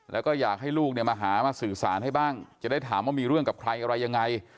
แล้วก็อยากให้ลูกเนี่ยมาหามาสื่อสารให้บ้างจะได้ถามว่ามีเรื่องกับใครอะไรยังไง